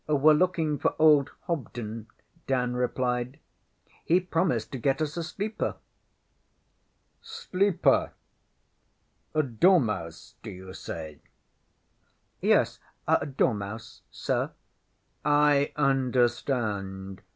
WeŌĆÖre looking for old Hobden, ŌĆÖ Dan replied. ŌĆÖHe promised to get us a sleeper. ŌĆÖ ŌĆśSleeper? A DORMEUSE, do you say? ŌĆÖ ŌĆśYes, a dormouse, Sir.ŌĆÖ ŌĆśI understand.